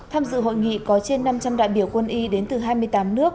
tham dự hội nghị có trên năm trăm linh đại biểu quân y đến từ hai mươi tám nước